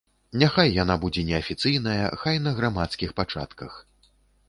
Няхай яна будзе неафіцыйная, хай на грамадскіх пачатках.